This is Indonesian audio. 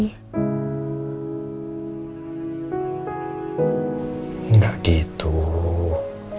papa gak punya pikiran kayak gitu kok